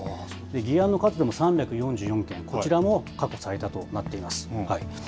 議案の数でも３４４件、こちらも過去最多となっています。